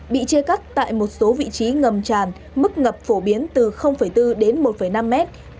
bị chia cắt tại một số vị trí ngầm tràn mức ngập phổ biến từ bốn đến một năm mét